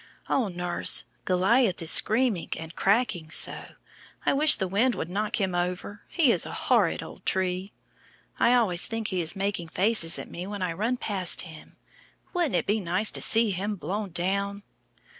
Oh, nurse, Goliath is screaming and cracking so! I wish the wind would knock him over, he is a horrid old tree. I always think he is making faces at me when I run past him. Wouldn't it be nice to see him blown down?"